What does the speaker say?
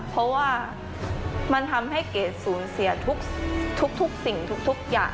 เพราะว่ามันทำให้เกรดสูญเสียทุกสิ่งทุกอย่าง